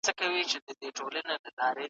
موږ به د حق په ملاتړ کې خپل مسئوليت ادا کړو.